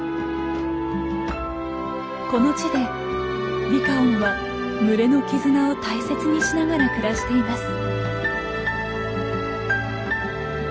この地でリカオンは群れの絆を大切にしながら暮らしています。